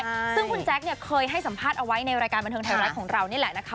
และแจ๊คเนี่ยเคยให้สัมภาษณ์เอาไว้ในรายการบรรเทิงไทยไวท์ของเราเนี่ยแหละนะคะ